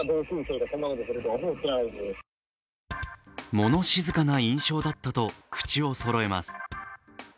物静かな印象だったと口をそろえます。